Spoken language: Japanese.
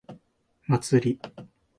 祭り